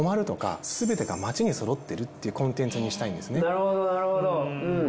なるほどなるほどうん。